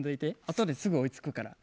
後ですぐ追いつくから。